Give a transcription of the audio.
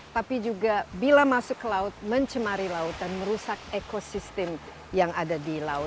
tapi juga bila masuk ke laut mencemari laut dan merusak ekosistem yang ada di laut